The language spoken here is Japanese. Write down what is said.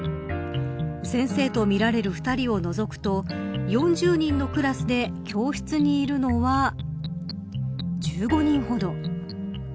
先生とみられる２人を除くと４０人のクラスで教室にいるのは１５人ほど。